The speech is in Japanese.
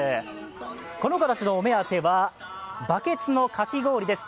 この子たちのお目当てはバケツのかき氷です。